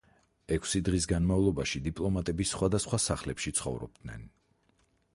ექვსი დღის განმავლობაში დიპლომატები სხვადასხვა სახლებში ცხოვრობდნენ.